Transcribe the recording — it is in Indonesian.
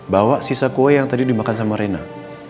bawa sisa kue yang tadi dimakan sama rena